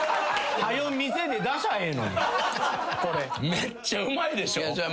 めっちゃうまいでしょ？うまいよ。